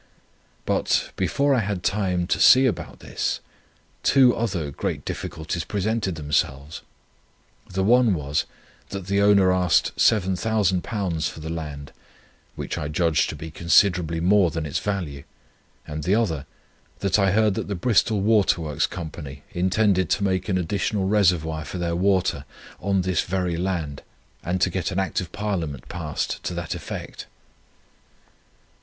But, before I had time to see about this, two other great difficulties presented themselves: the one was, that the owner asked £7,000 for the land, which I judged to be considerably more than its value; and the other, that I heard that the Bristol Waterworks Company intended to make an additional reservoir for their water, on this very land, and to get an Act of Parliament passed to that effect.